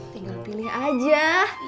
tinggal pilih aja